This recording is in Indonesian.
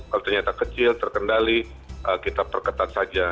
kalau ternyata kecil terkendali kita perketat saja